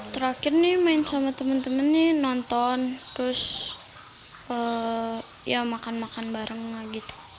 terakhir main sama temen temen nonton terus makan makan bareng